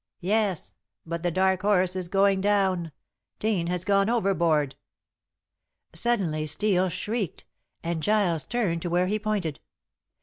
"Yes. But The Dark Horse is going down. Dane has gone overboard." Suddenly Steel shrieked, and Giles turned to where he pointed.